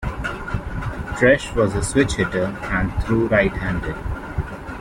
Tresh was a switch-hitter and threw right-handed.